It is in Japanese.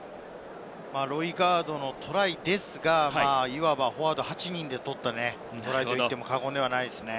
ロイガードのトライですが、いわばフォワード８人で取ったトライと言っても過言ではないですね。